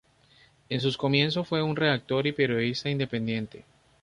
En sus comienzos fue un redactor y periodista independiente.